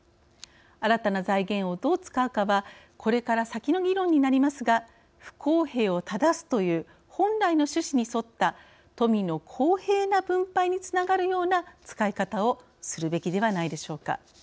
新たな財源をどう使うかはこれから先の議論になりますが不公平を正すという本来の趣旨に沿った富の公平な分配につながるような使い方をするべきではないでしょうか。